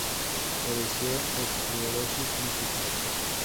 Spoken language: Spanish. Padeció esclerosis múltiple.